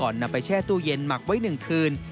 นำไปแช่ตู้เย็นหมักไว้๑คืน